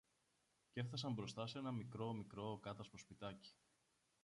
κι έφθασαν μπροστά σ' ένα μικρό-μικρό κάτασπρο σπιτάκι.